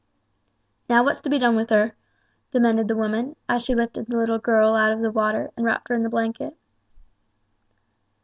"Now what's to be done with her?" demanded the woman, as she lifted the little girl out of the water, and wrapped her in the blanket.